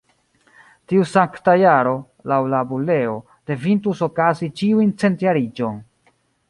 Tiu Sankta Jaro, laŭ la buleo, devintus okazi ĉiujn centjariĝon.